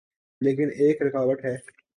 لیکن ایک رکاوٹ ہے۔